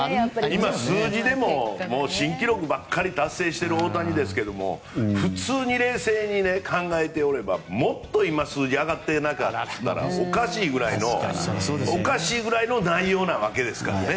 今、数字でも新記録ばかり達成している大谷ですが普通に冷静に考えておればもっと数字上がってなかったらおかしいぐらいの内容なわけですからね。